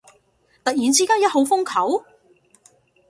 突然之間一號風球？